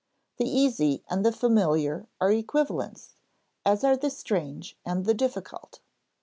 The easy and the familiar are equivalents, as are the strange and the difficult.